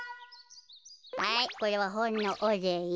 はいこれはほんのおれい。